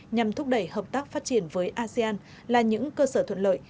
nhằm thúc đẩy hợp tác phát triển với asean là những cơ sở thuận lợi